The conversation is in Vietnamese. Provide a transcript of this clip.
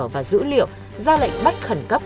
và dữ liệu ra lệnh bắt khẩn cấp